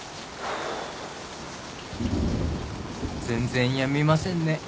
全然やみませんね